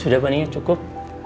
sudah pak nino cukup